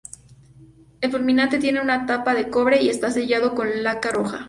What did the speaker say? El fulminante tiene una tapa de cobre y está sellado con laca roja.